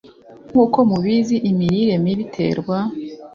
nk'uko mubizi, imirire mibi iterwa